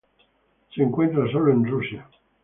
Se encuentra sólo en Rusia.